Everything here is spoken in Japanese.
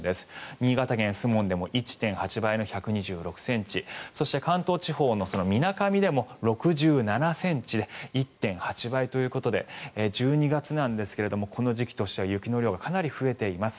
新潟県守門でも１．８倍の１２６ｃｍそして関東地方のみなかみでも６７ｃｍで１．８倍ということで１２月なんですがこの時期としては雪の量がかなり増えています。